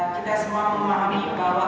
kita semua memahami bahwa